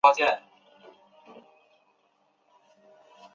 另外亦曾三次提名奥斯卡最佳女配角奖和十八次艾美奖。